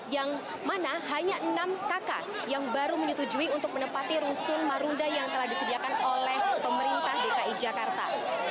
yang mana hanya enam kakak yang baru menyetujui untuk menempati rusun marunda yang telah disediakan oleh pemerintah dki jakarta